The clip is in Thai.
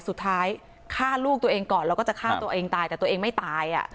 สุดท้ายฆ่าลูกตัวเองก่อนแล้วก็จะฆ่าตัวเองตายแต่ตัวเองไม่ตาย